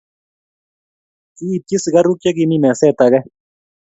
Kiityi sikaruk che kimi meset age